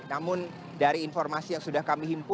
namun dari informasi yang sudah kami himpun